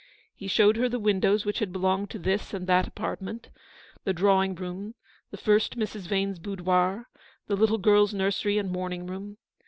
He showed her the windows which had belonged to this and that apartment; the drawing room; the first Mrs. Vane's boudoir; the little girls' nursery and morning room.